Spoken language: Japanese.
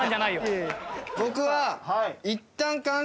僕は。